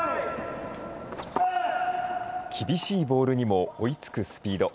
厳しいボールにも追いつくスピード。